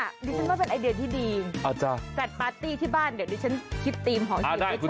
ดิฉันว่าเป็นไอเดียที่ดีจัดปาร์ตี้ที่บ้านเดี๋ยวดิฉันคิดธีมหอม